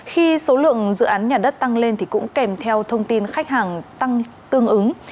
khi số lượng dự án nhà đất tăng lên thì cũng kèm theo thông tin khách hàng tăng tương ứng